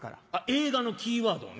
映画のキーワードをね。